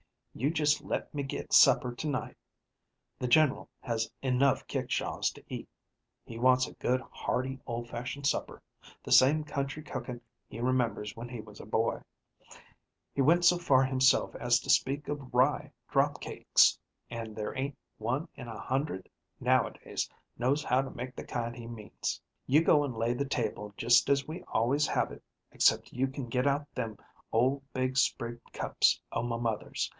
"You just let me get supper to night. The Gen'ral has enough kickshaws to eat; he wants a good, hearty, old fashioned supper, the same country cooking he remembers when he was a boy. He went so far himself as to speak of rye drop cakes, an' there ain't one in a hundred, nowadays, knows how to make the kind he means. You go an' lay the table just as we always have it, except you can get out them old big sprigged cups o' my mother's.